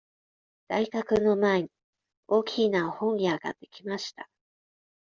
大学の前に大きな本屋ができました。